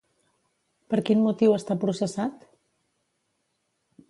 Per quin motiu està processat?